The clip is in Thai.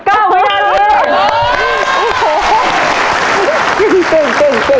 เก่ง